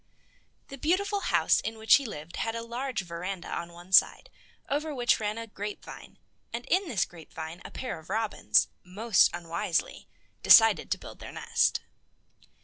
The beautiful house in which he lived had a large veranda on one side, over which ran a grapevine, and in this grapevine a pair of robins, most unwisely, decided to build their nest.